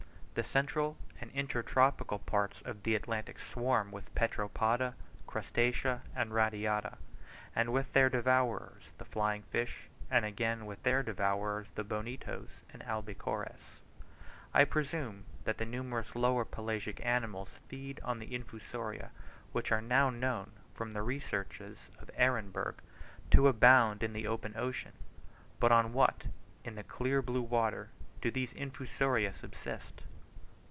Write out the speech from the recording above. The central and intertropical parts of the Atlantic swarm with Pteropoda, Crustacea, and Radiata, and with their devourers the flying fish, and again with their devourers the bonitos and albicores; I presume that the numerous lower pelagic animals feed on the Infusoria, which are now known, from the researches of Ehrenberg, to abound in the open ocean: but on what, in the clear blue water, do these Infusoria subsist?